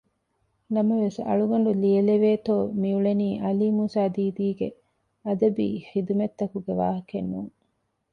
ނަމަވެސް އަޅުގަނޑު ލިޔެލެވޭތޯ މިއުޅެނީ ޢަލީ މޫސާދީދީގެ އަދަބީ ޚިދުމަތްތަކުގެ ވާހަކައެއް ނޫން